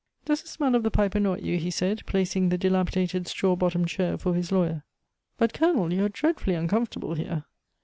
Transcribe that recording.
"Does the smell of the pipe annoy you?" he said, placing the dilapidated straw bottomed chair for his lawyer. "But, Colonel, you are dreadfully uncomfortable here!"